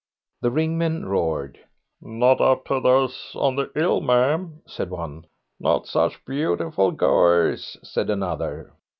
The ringmen roared. "Not up to those on the 'ill, ma'am," said one. "Not such beautiful goers," said another.